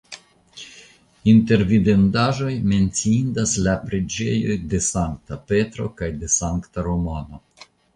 Inter vidindaĵoj menciindas la preĝejoj de Sankta Petro kaj de Sankta Romano.